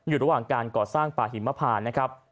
อยู่ระหว่างการก่อสร้างป่าหิมพานนะครับ